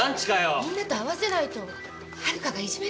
みんなと合わせないと遥がいじめられるから。